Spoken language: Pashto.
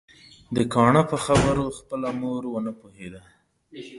د کاڼه په خبرو خپله مور ونه پوهيده